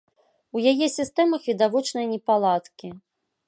У яе сістэмах відавочныя непаладкі.